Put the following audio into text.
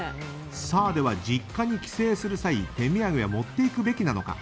では実家に帰省する際手土産を持っていくべきなのか。